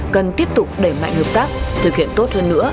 cần tiếp tục đẩy mạnh hợp tác thực hiện tốt hơn nữa